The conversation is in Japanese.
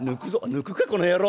『抜くかこの野郎。